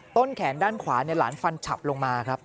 ต้นแขนด้านขวาหลานฟันฉับลงมาครับ